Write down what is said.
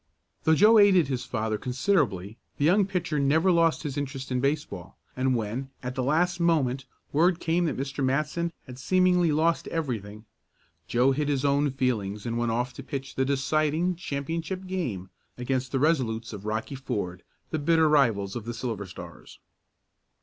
Though Joe aided his father considerably, the young pitcher never lost his interest in baseball, and when, at the last moment, word came that Mr. Matson had seemingly lost everything, Joe hid his own feelings and went off to pitch the deciding championship game against the Resolutes of Rocky Ford, the bitter rivals of the Silver Stars.